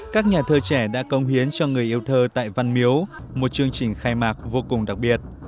các nhà thơ trẻ đã công hiến cho người yêu thơ tại văn miếu một chương trình khai mạc vô cùng đặc biệt